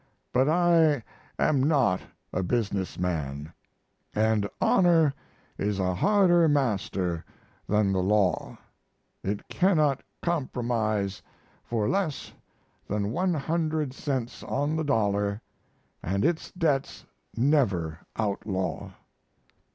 But I am not a business man, and honor is a harder master than the law. It cannot compromise for less than 100 cents on the dollar and its debts never outlaw.